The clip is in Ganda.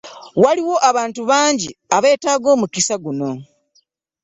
Waaliwo abantu bangi abeetaaga omukisa guno.